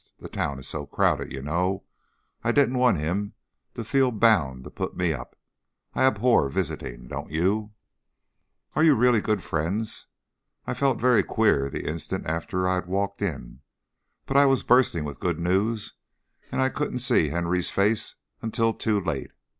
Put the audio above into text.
The town is so crowded, you know; I didn't want him to feel bound to put me up. I abhor visiting. Don't you?" "Are you really good friends? I felt very queer, the instant after I had walked in. But I was bursting with good news and I couldn't see Henry's face until too late.